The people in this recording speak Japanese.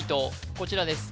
こちらです